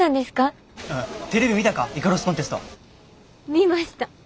見ました。